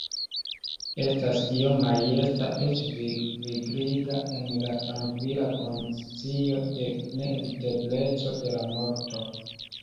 Estas io majesta, eĉ vigliga, en la trankvila konscio de neevitebleco de la morto.